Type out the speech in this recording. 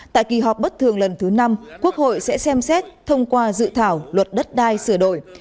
tại kỳ họp bất thường lần thứ năm quốc hội sẽ xem xét thông qua dự thảo luật đất đai sửa đổi